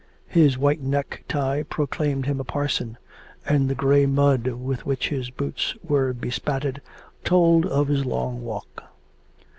His white neck tie proclaimed him a parson, and the grey mud with which his boots were bespattered told of his long walk.